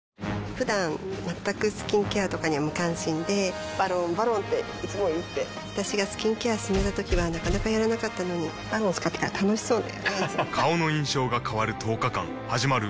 ふだん全くスキンケアとかに無関心で「ＶＡＲＯＮ」「ＶＡＲＯＮ」っていつも言って私がスキンケア勧めたときはなかなかやらなかったのに「ＶＡＲＯＮ」使ってから楽しそうだよね